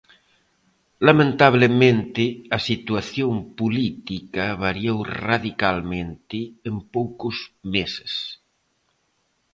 Lamentabelmente, a situación política variou radicalmente en poucos meses.